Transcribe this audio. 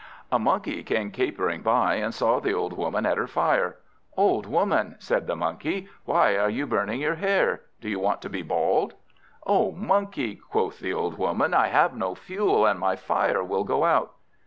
A Monkey came capering by, and saw the old Woman at her fire. "Old Woman," said the Monkey, "why are you burning your hair? Do you want to be bald?" "O Monkey!" quoth the old Woman, "I have no fuel, and my fire will go out."